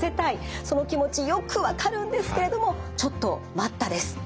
その気持ちよく分かるんですけれどもちょっと待った！です。